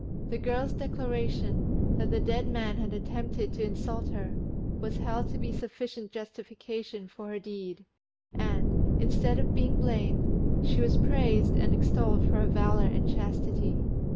The girl's declaration, that the dead man had attempted to insult her, was held to be sufficient justification of her deed, and, instead of being blamed, she was praised and extolled for her valour and chastity.